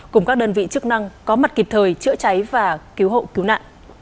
cùng các đơn vị chức năng có mặt kịp thời chữa cháy và cứu hộ cứu nạn